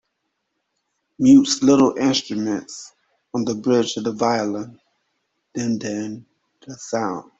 Mutes little instruments on the bridge of the violin, deadening the sound.